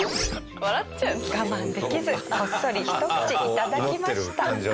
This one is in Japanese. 我慢できずこっそりひと口いただきました。